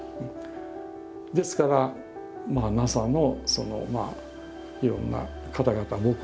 ですからＮＡＳＡのいろんな方々